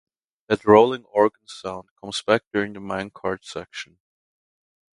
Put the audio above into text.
That rolling organ sound comes back during the minecart section.